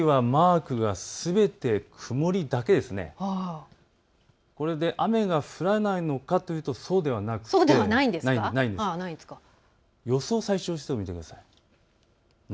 天気はマークがすべて曇りだけですがこれで雨が降らないのかというとそうではなくて予想最小湿度を見てください。